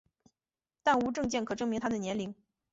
但无证件可证明她的年龄。